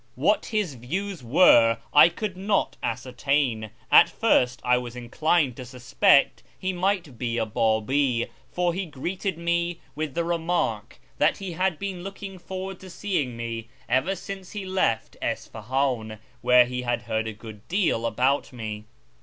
What his views were I could not ascertain ; at first I was inclined to suspect he might be a B;ibi', for he greeted me with the remark that he had been looking forward to seeing me ever since he left Isfahan, where he had heard a good deal about me.